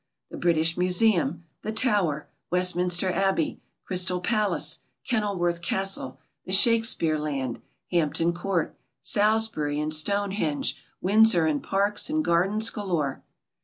The British Museum, the Tower, Westminister Abbey, Crystal Palace, Kenilworth Castle, the Shakespeare Land, Hampton Court, Salisbury and Stonehenge, Windsor and Parks and Gardens galore!